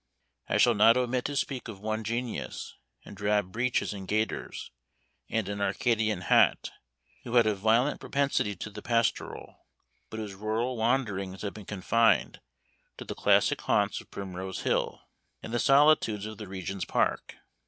I shall not omit to speak of one genius, in drab breeches and gaiters, and an Arcadian hat, who had a violent propensity to the pastoral, but whose rural wanderings had been confined to the classic haunts of Primrose Hill, and the solitudes of the Regent's Park.